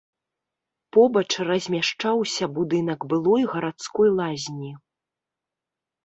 Побач размяшчаўся будынак былой гарадской лазні.